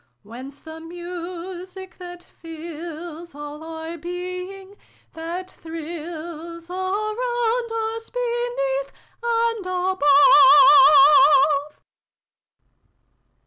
Whence the music that fills all our being th fit thrills A round us, beneath, and above ?